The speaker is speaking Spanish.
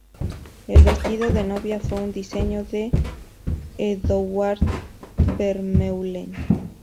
El vestido de novia fue un diseño de Edouard Vermeulen.